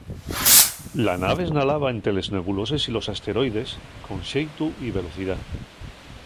La nave esnalaba ente les nebuloses y los asteroides con xeitu y velocidá.